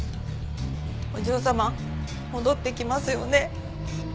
お嬢様戻ってきますよね？